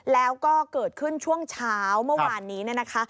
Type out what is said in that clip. แล้วก็เกิดขึ้นช่วงเช้าเมื่อวานนี้นะคะ